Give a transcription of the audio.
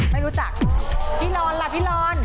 ไม่รู้จักพี่รอนล่ะพี่รอน